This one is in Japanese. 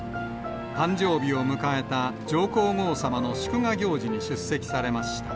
誕生日を迎えた上皇后さまの祝賀行事に出席されました。